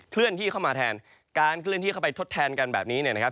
เลื่อนที่เข้ามาแทนการเคลื่อนที่เข้าไปทดแทนกันแบบนี้เนี่ยนะครับ